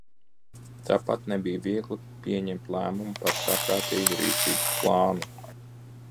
Tāpat nebija viegli pieņemt lēmumu par saprātīgu rīcības plānu.